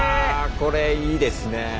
これいいですね。